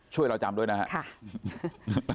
ช่วยเราจำด้วยนะครับ